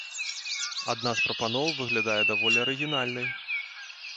Адна з прапаноў выглядае даволі арыгінальнай.